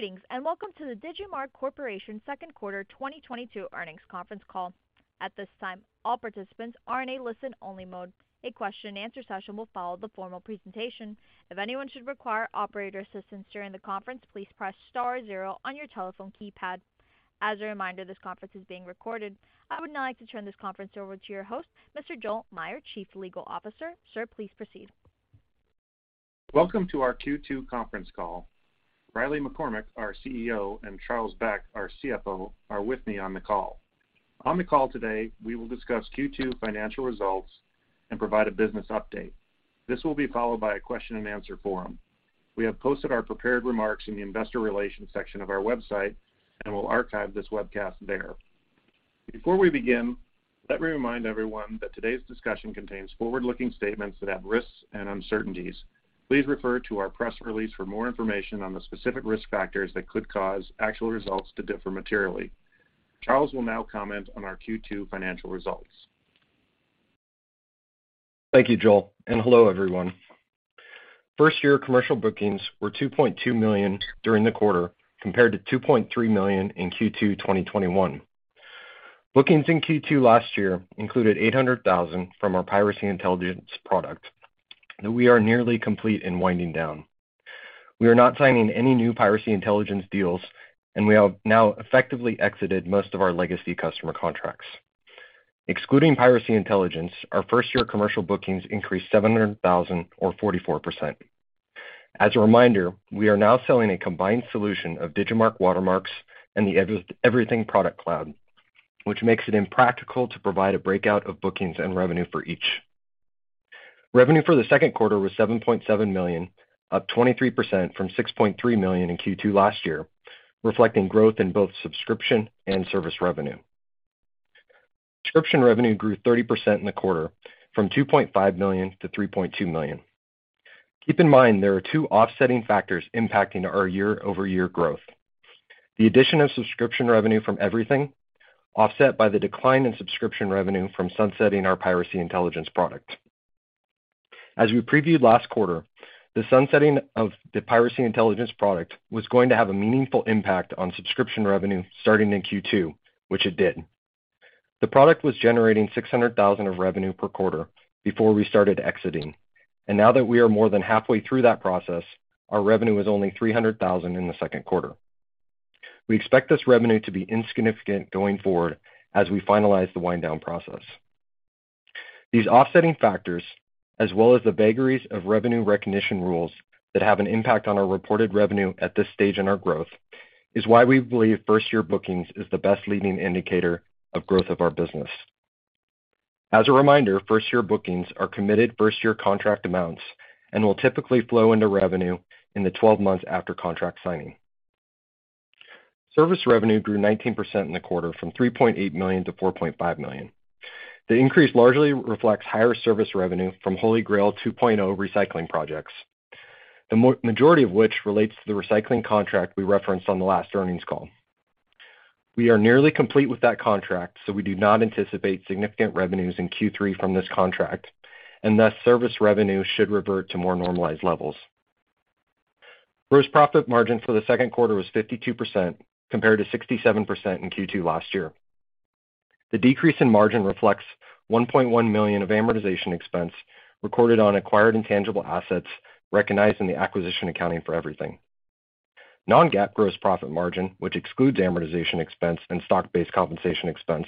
Greetings, and welcome to the Digimarc Corporation second quarter 2022 earnings conference call. At this time, all participants are in a listen-only mode. A question and answer session will follow the formal presentation. If anyone should require operator assistance during the conference, please press star zero on your telephone keypad. As a reminder, this conference is being recorded. I would now like to turn this conference over to your host, Mr. Joel Meyer, Chief Legal Officer. Sir, please proceed. Welcome to our Q2 conference call. Riley McCormack, our CEO, and Charles Beck, our CFO, are with me on the call. On the call today, we will discuss Q2 financial results and provide a business update. This will be followed by a question and answer forum. We have posted our prepared remarks in the investor relations section of our website and will archive this webcast there. Before we begin, let me remind everyone that today's discussion contains forward-looking statements that have risks and uncertainties. Please refer to our press release for more information on the specific risk factors that could cause actual results to differ materially. Charles will now comment on our Q2 financial results. Thank you, Joel, and hello, everyone. First-year commercial bookings were $2.2 million during the quarter, compared to $2.3 million in Q2 2021. Bookings in Q2 last year included $800,000 from our Piracy Intelligence product that we are nearly complete in winding down. We are not signing any new Piracy Intelligence deals, and we have now effectively exited most of our legacy customer contracts. Excluding Piracy Intelligence, our first-year commercial bookings increased $700,000 or 44%. As a reminder, we are now selling a combined solution of Digimarc Watermarks and the EVRYTHNG product cloud, which makes it impractical to provide a breakout of bookings and revenue for each. Revenue for the second quarter was $7.7 million, up 23% from $6.3 million in Q2 last year, reflecting growth in both subscription and service revenue. Subscription revenue grew 30% in the quarter from $2.5 million to $3.2 million. Keep in mind there are two offsetting factors impacting our year-over-year growth. The addition of subscription revenue from EVRYTHNG, offset by the decline in subscription revenue from sunsetting our Piracy Intelligence product. As we previewed last quarter, the sunsetting of the Piracy Intelligence product was going to have a meaningful impact on subscription revenue starting in Q2, which it did. The product was generating $600,000 of revenue per quarter before we started exiting. Now that we are more than halfway through that process, our revenue is only $300,000 in the second quarter. We expect this revenue to be insignificant going forward as we finalize the wind down process. These offsetting factors, as well as the vagaries of revenue recognition rules that have an impact on our reported revenue at this stage in our growth, is why we believe first year bookings is the best leading indicator of growth of our business. As a reminder, first year bookings are committed first year contract amounts and will typically flow into revenue in the 12 months after contract signing. Service revenue grew 19% in the quarter from $3.8 million to $4.5 million. The increase largely reflects higher service revenue from HolyGrail 2.0 recycling projects, the majority of which relates to the recycling contract we referenced on the last earnings call. We are nearly complete with that contract, so we do not anticipate significant revenues in Q3 from this contract. Thus, service revenue should revert to more normalized levels. Gross profit margin for the second quarter was 52%, compared to 67% in Q2 last year. The decrease in margin reflects $1.1 million of amortization expense recorded on acquired intangible assets recognized in the acquisition accounting for EVRYTHNG. Non-GAAP gross profit margin, which excludes amortization expense and stock-based compensation expense,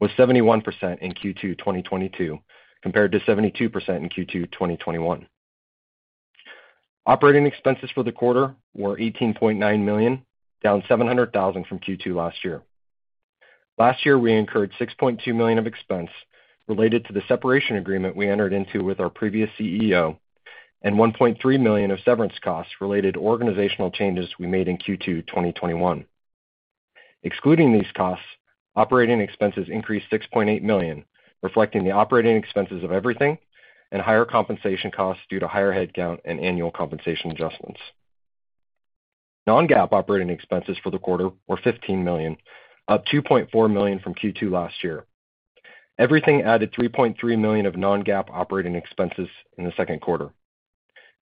was 71% in Q2 2022, compared to 72% in Q2 2021. Operating expenses for the quarter were $18.9 million, down $700,000 from Q2 last year. Last year, we incurred $6.2 million of expense related to the separation agreement we entered into with our previous CEO and $1.3 million of severance costs related to organizational changes we made in Q2 2021. Excluding these costs, operating expenses increased $6.8 million, reflecting the operating expenses of EVRYTHNG and higher compensation costs due to higher headcount and annual compensation adjustments. Non-GAAP operating expenses for the quarter were $15 million, up $2.4 million from Q2 last year. EVRYTHNG added $3.3 million of non-GAAP operating expenses in the second quarter.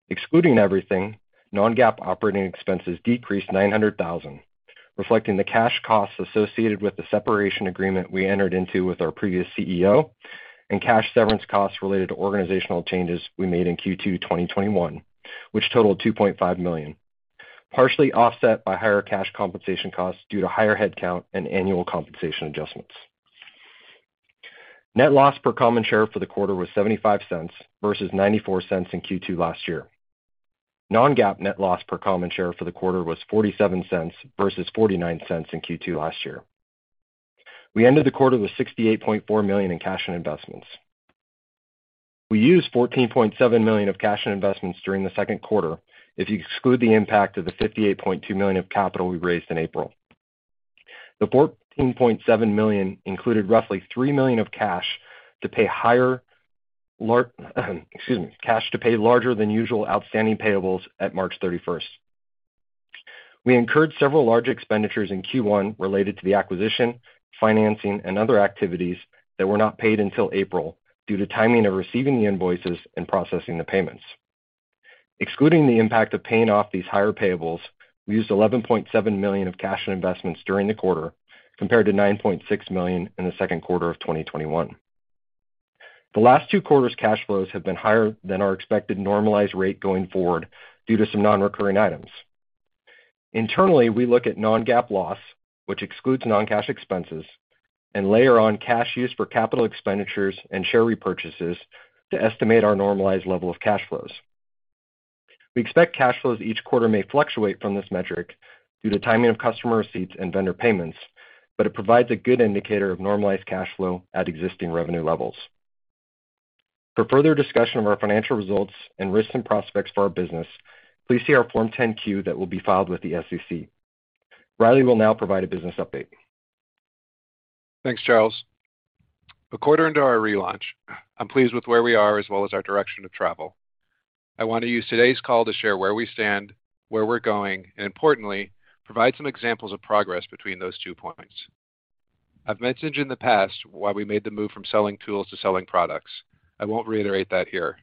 Excluding EVRYTHNG, non-GAAP operating expenses decreased $900,000, reflecting the cash costs associated with the separation agreement we entered into with our previous CEO and cash severance costs related to organizational changes we made in Q2 2021, which totaled $2.5 million, partially offset by higher cash compensation costs due to higher headcount and annual compensation adjustments. Net loss per common share for the quarter was $0.75 versus $0.94 in Q2 last year. Non-GAAP net loss per common share for the quarter was $0.47 versus $0.49 in Q2 last year. We ended the quarter with $68.4 million in cash and investments. We used $14.7 million of cash and investments during the second quarter if you exclude the impact of the $58.2 million of capital we raised in April. The $14.7 million included roughly $3 million of cash to pay larger than usual outstanding payables at March 31st. We incurred several large expenditures in Q1 related to the acquisition, financing, and other activities that were not paid until April due to timing of receiving the invoices and processing the payments. Excluding the impact of paying off these higher payables, we used $11.7 million of cash and investments during the quarter compared to $9.6 million in the second quarter of 2021. The last two quarters' cash flows have been higher than our expected normalized rate going forward due to some non-recurring items. Internally, we look at non-GAAP loss, which excludes non-cash expenses, and layer on cash use for capital expenditures and share repurchases to estimate our normalized level of cash flows. We expect cash flows each quarter may fluctuate from this metric due to timing of customer receipts and vendor payments, but it provides a good indicator of normalized cash flow at existing revenue levels. For further discussion of our financial results and risks and prospects for our business, please see our Form 10-Q that will be filed with the SEC. Riley will now provide a business update. Thanks, Charles. A quarter into our relaunch, I'm pleased with where we are as well as our direction of travel. I want to use today's call to share where we stand, where we're going, and importantly, provide some examples of progress between those two points. I've mentioned in the past why we made the move from selling tools to selling products. I won't reiterate that here.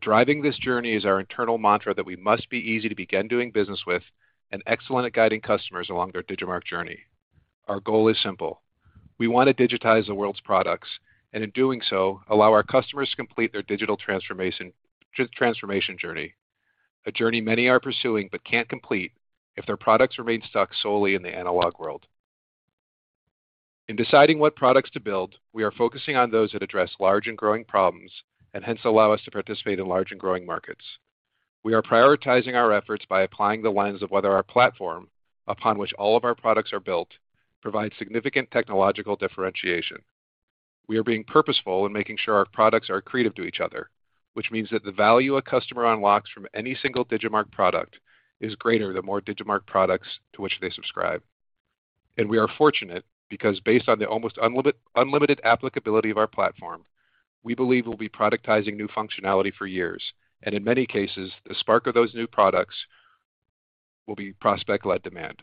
Driving this journey is our internal mantra that we must be easy to begin doing business with and excellent at guiding customers along their Digimarc journey. Our goal is simple. We want to digitize the world's products, and in doing so, allow our customers to complete their digital transformation journey, a journey many are pursuing but can't complete if their products remain stuck solely in the analog world. In deciding what products to build, we are focusing on those that address large and growing problems and hence allow us to participate in large and growing markets. We are prioritizing our efforts by applying the lens of whether our platform, upon which all of our products are built, provides significant technological differentiation. We are being purposeful in making sure our products are accretive to each other, which means that the value a customer unlocks from any single Digimarc product is greater the more Digimarc products to which they subscribe. We are fortunate because based on the almost unlimited applicability of our platform, we believe we'll be productizing new functionality for years, and in many cases, the spark of those new products will be prospect-led demand.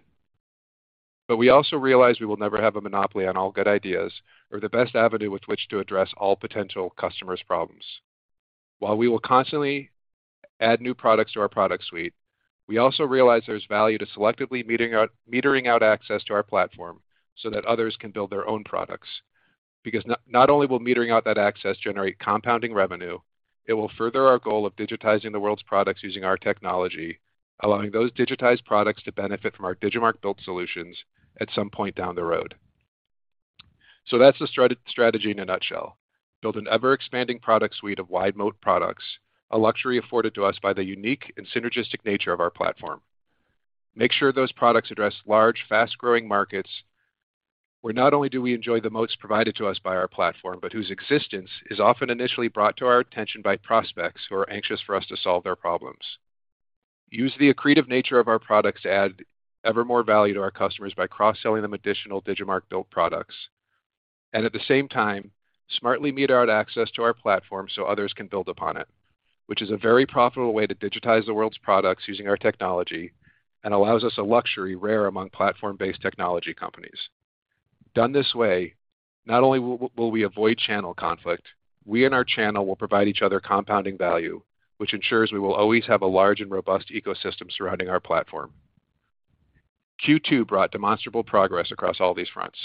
we also realize we will never have a monopoly on all good ideas or the best avenue with which to address all potential customers' problems. While we will constantly add new products to our product suite, we also realize there's value to selectively metering out access to our platform so that others can build their own products. Because not only will metering out that access generate compounding revenue, it will further our goal of digitizing the world's products using our technology, allowing those digitized products to benefit from our Digimarc-built solutions at some point down the road. that's the strategy in a nutshell. Build an ever-expanding product suite of wide-moat products, a luxury afforded to us by the unique and synergistic nature of our platform. Make sure those products address large, fast-growing markets where not only do we enjoy the moats provided to us by our platform, but whose existence is often initially brought to our attention by prospects who are anxious for us to solve their problems. Use the accretive nature of our products to add ever more value to our customers by cross-selling them additional Digimarc-built products. At the same time, smartly meter out access to our platform so others can build upon it, which is a very profitable way to digitize the world's products using our technology and allows us a luxury rare among platform-based technology companies. Done this way, not only will we avoid channel conflict, we and our channel will provide each other compounding value, which ensures we will always have a large and robust ecosystem surrounding our platform. Q2 brought demonstrable progress across all these fronts.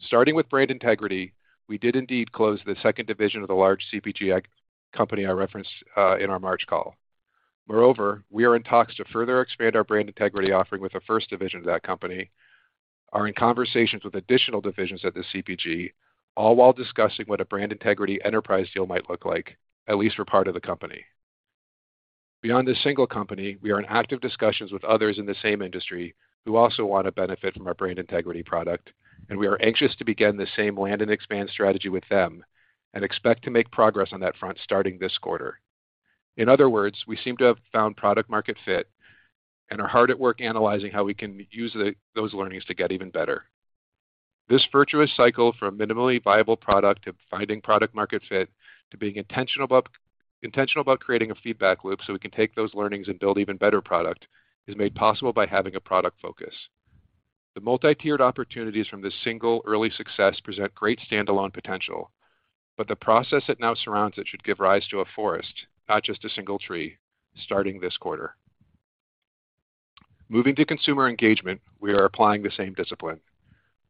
Starting with brand integrity, we did indeed close the second division of the large CPG company I referenced in our March call. Moreover, we are in talks to further expand our brand integrity offering with the first division of that company, are in conversations with additional divisions at the CPG, all while discussing what a brand integrity enterprise deal might look like, at least for part of the company. Beyond this single company, we are in active discussions with others in the same industry who also want to benefit from our brand integrity product, and we are anxious to begin the same land and expand strategy with them and expect to make progress on that front starting this quarter. In other words, we seem to have found product market fit and are hard at work analyzing how we can use those learnings to get even better. This virtuous cycle from minimally viable product to finding product market fit to being intentional about creating a feedback loop so we can take those learnings and build even better product is made possible by having a product focus. The multi-tiered opportunities from this single early success present great standalone potential, but the process that now surrounds it should give rise to a forest, not just a single tree, starting this quarter. Moving to consumer engagement, we are applying the same discipline.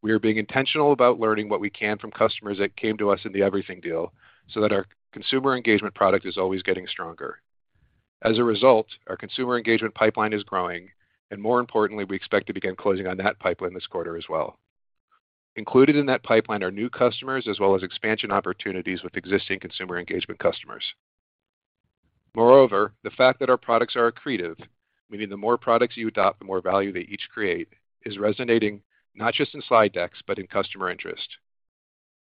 We are being intentional about learning what we can from customers that came to us in the EVRYTHNG deal so that our consumer engagement product is always getting stronger. As a result, our consumer engagement pipeline is growing, and more importantly, we expect to begin closing on that pipeline this quarter as well. Included in that pipeline are new customers as well as expansion opportunities with existing consumer engagement customers. Moreover, the fact that our products are accretive, meaning the more products you adopt, the more value they each create, is resonating not just in slide decks but in customer interest.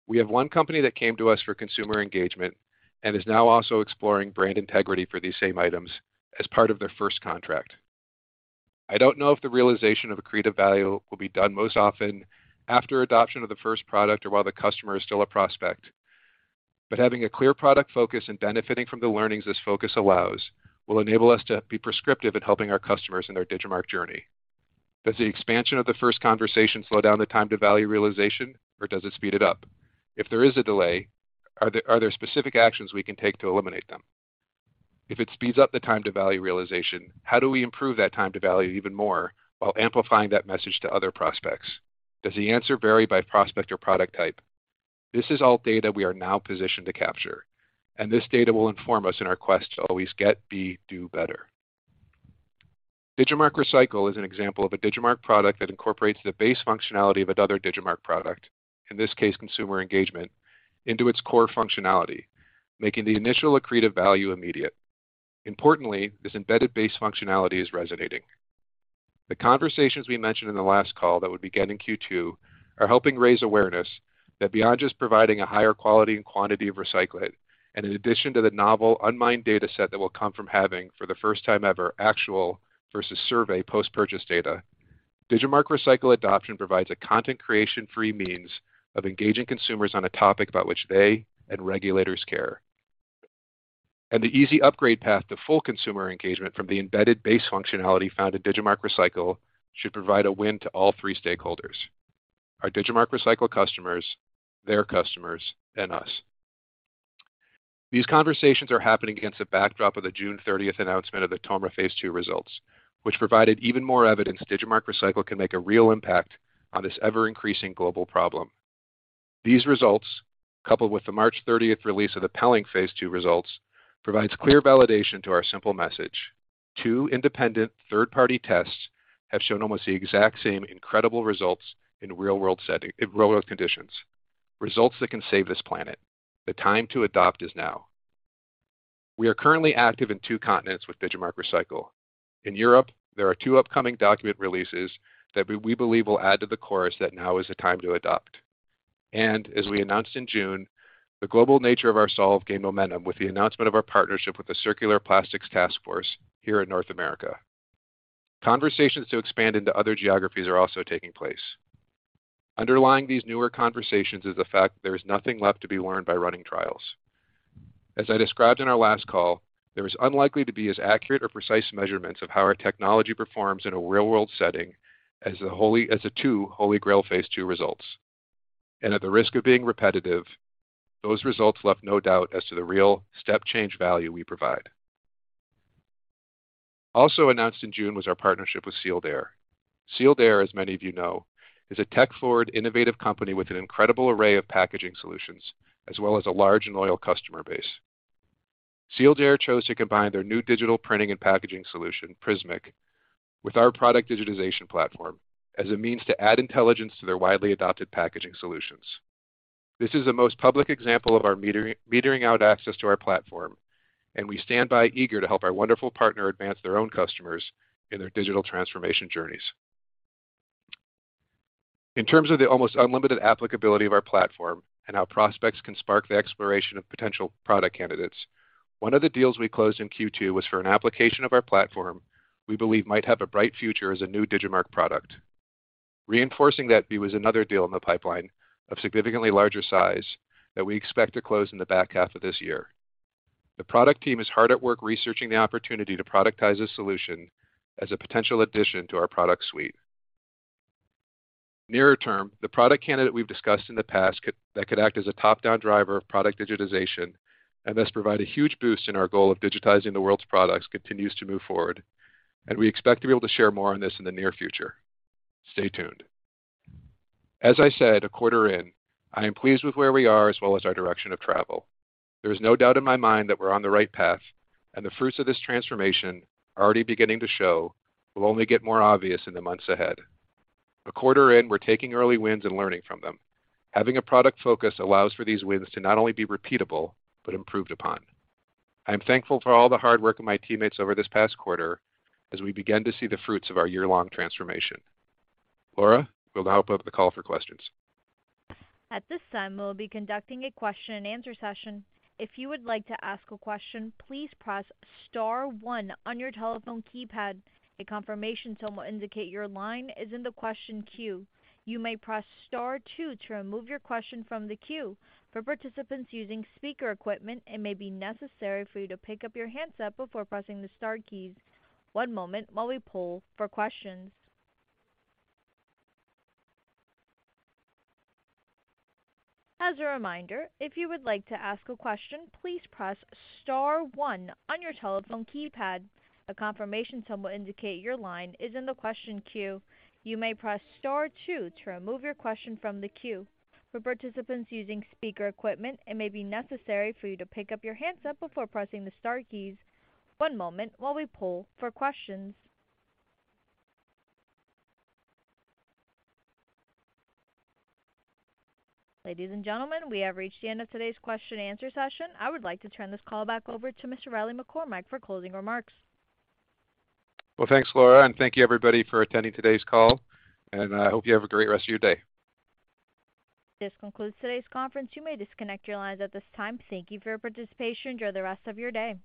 We have one company that came to us for consumer engagement and is now also exploring brand integrity for these same items as part of their first contract. I don't know if the realization of accretive value will be done most often after adoption of the first product or while the customer is still a prospect, but having a clear product focus and benefiting from the learnings this focus allows will enable us to be prescriptive in helping our customers in their Digimarc journey. Does the expansion of the first conversation slow down the time to value realization or does it speed it up? If there is a delay, are there specific actions we can take to eliminate them? If it speeds up the time to value realization, how do we improve that time to value even more while amplifying that message to other prospects? Does the answer vary by prospect or product type? This is all data we are now positioned to capture, and this data will inform us in our quest to always get, be, do better. Digimarc Recycle is an example of a Digimarc product that incorporates the base functionality of another Digimarc product, in this case, consumer engagement, into its core functionality, making the initial accretive value immediate. Importantly, this embedded base functionality is resonating. The conversations we mentioned in the last call that would begin in Q2 are helping raise awareness that beyond just providing a higher quality and quantity of recyclate, and in addition to the novel unmined data set that will come from having, for the first time ever, actual versus survey post-purchase data. Digimarc Recycle adoption provides a content creation-free means of engaging consumers on a topic about which they and regulators care. The easy upgrade path to full consumer engagement from the embedded base functionality found in Digimarc Recycle should provide a win to all three stakeholders, our Digimarc Recycle customers, their customers, and us. These conversations are happening against the backdrop of the June 30 announcement of the TOMRA Phase 2 results, which provided even more evidence Digimarc Recycle can make a real impact on this ever-increasing global problem. These results, coupled with the March 30 release of the Pellenc Phase 2 results, provides clear validation to our simple message. Two independent third-party tests have shown almost the exact same incredible results in real-world conditions, results that can save this planet. The time to adopt is now. We are currently active in two continents with Digimarc Recycle. In Europe, there are two upcoming document releases that we believe will add to the chorus that now is the time to adopt. As we announced in June, the global nature of our solve gained momentum with the announcement of our partnership with the Circular Plastics Taskforce here in North America. Conversations to expand into other geographies are also taking place. Underlying these newer conversations is the fact that there is nothing left to be learned by running trials. As I described in our last call, there is unlikely to be as accurate or precise measurements of how our technology performs in a real-world setting as the two HolyGrail Phase 2 results. At the risk of being repetitive, those results left no doubt as to the real step change value we provide. Also announced in June was our partnership with Sealed Air. Sealed Air, as many of you know, is a tech-forward, innovative company with an incredible array of packaging solutions, as well as a large and loyal customer base. Sealed Air chose to combine their new digital printing and packaging solution, prismiq, with our product digitization platform as a means to add intelligence to their widely adopted packaging solutions. This is the most public example of our metering out access to our platform, and we stand by eager to help our wonderful partner advance their own customers in their digital transformation journeys. In terms of the almost unlimited applicability of our platform and how prospects can spark the exploration of potential product candidates, one of the deals we closed in Q2 was for an application of our platform we believe might have a bright future as a new Digimarc product. Reinforcing that view was another deal in the pipeline of significantly larger size that we expect to close in the back half of this year. The product team is hard at work researching the opportunity to productize a solution as a potential addition to our product suite. Nearer term, the product candidate we've discussed in the past that could act as a top-down driver of product digitization and thus provide a huge boost in our goal of digitizing the world's products continues to move forward, and we expect to be able to share more on this in the near future. Stay tuned. As I said, a quarter in, I am pleased with where we are as well as our direction of travel. There is no doubt in my mind that we're on the right path, and the fruits of this transformation are already beginning to show, will only get more obvious in the months ahead. A quarter in, we're taking early wins and learning from them. Having a product focus allows for these wins to not only be repeatable but improved upon. I'm thankful for all the hard work of my teammates over this past quarter as we begin to see the fruits of our year-long transformation. Laura, we'll now open up the call for questions. At this time, we'll be conducting a question and answer session. If you would like to ask a question, please press star one on your telephone keypad. A confirmation tone will indicate your line is in the question queue. You may press star two to remove your question from the queue. For participants using speaker equipment, it may be necessary for you to pick up your handset before pressing the star keys. One moment while we poll for questions. As a reminder, if you would like to ask a question, please press star one on your telephone keypad. A confirmation tone will indicate your line is in the question queue. You may press star two to remove your question from the queue. For participants using speaker equipment, it may be necessary for you to pick up your handset before pressing the star keys. One moment while we poll for questions. Ladies and gentlemen, we have reached the end of today's question and answer session. I would like to turn this call back over to Mr. Riley McCormack for closing remarks. Well, thanks, Laura, and thank you, everybody, for attending today's call, and I hope you have a great rest of your day. This concludes today's conference. You may disconnect your lines at this time. Thank you for your participation. Enjoy the rest of your day.